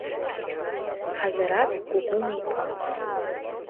Ҳазараҭ Кәукәуна-иԥа!